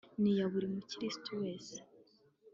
ni iya buri mukirisitu wese